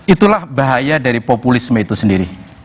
itulah bahaya dari populisme itu sendiri